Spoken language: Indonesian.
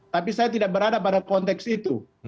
tapi saya tidak berada pada konteks itu